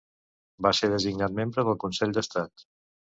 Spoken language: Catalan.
Va ser designat membre del Consell d'Estat.